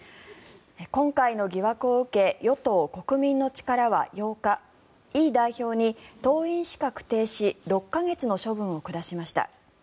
今回の疑惑を受け与党・国民の力は８日イ代表に党員資格停止６か月の処分を下しました。